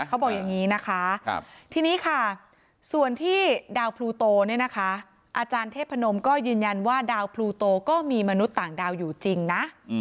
เขาบอกอย่างนี้นะคะทีนี้ค่ะส่วนที่ดาวพลูโตเนี่ยนะคะอาจารย์เทพนมก็ยืนยันว่าดาวพลูโตก็มีมนุษย์ต่างดาวอยู่จริงนะ